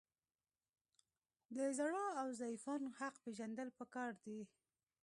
د زړو او ضعیفانو حق پیژندل پکار دي.